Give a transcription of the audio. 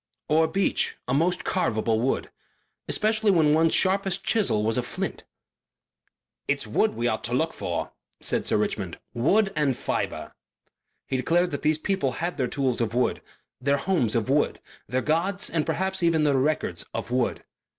Or beech a most carvable wood. Especially when one's sharpest chisel was a flint. "It's wood we ought to look for," said Sir Richmond. "Wood and fibre." He declared that these people had their tools of wood, their homes of wood, their gods and perhaps their records of wood.